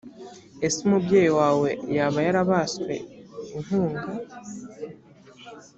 ese umubyeyi wawe yaba yarabaswe inkunga